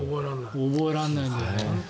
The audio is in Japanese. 覚えらんないんだよね。